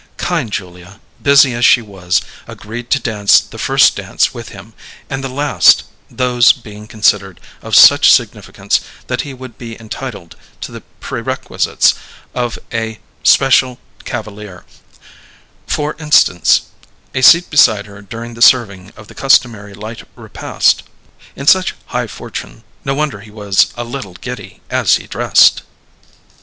Kind Julia, busy as she was, agreed to dance the first dance with him, and the last those being considered of such significance that he would be entitled to the perquisites of a special cavalier; for instance, a seat beside her during the serving of the customary light repast. In such high fortune, no wonder he was a little giddy as he dressed!